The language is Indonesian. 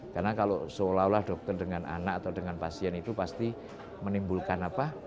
karena kalau seolah olah dokter dengan anak atau dengan pasien itu pasti menimbulkan apa